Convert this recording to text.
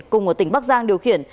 cùng ở tỉnh bắc giang điều khiển